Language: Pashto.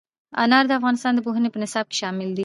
انار د افغانستان د پوهنې په نصاب کې شامل دي.